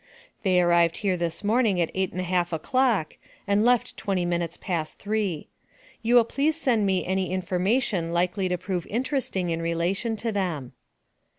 They arrived here this morning at 8 1/2 o'clock and left twenty minutes past three. You will please send me any information likely to prove interesting in relation to them.